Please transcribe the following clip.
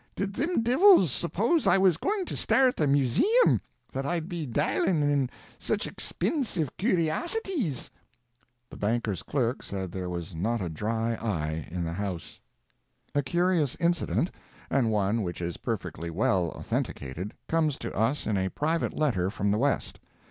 Did thim diivils suppose I was goin' to stairt a Museim, that I'd be dalin' in such expinsive curiassities!" The banker's clerk said there was not a dry eye in the house. A curious incident, and one which is perfectly well authenticated, comes to us in a private letter from the West.